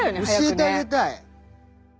教えてあげたい！